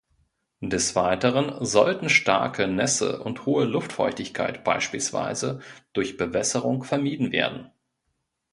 Des Weiteren sollten starke Nässe und hohe Luftfeuchtigkeit, beispielsweise durch Bewässerung, vermieden werden.